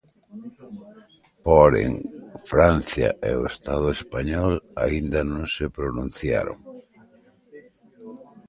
Porén, Francia e o Estado español aínda non se pronunciaron.